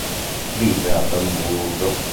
Vive ad Amburgo.